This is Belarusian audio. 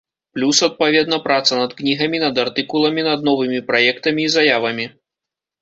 Плюс, адпаведна, праца над кнігамі, над артыкуламі, над новымі праектамі і заявамі.